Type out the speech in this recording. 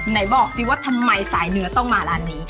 ไหนบอกสิว่าทำไมสายเนื้อต้องมาร้านนี้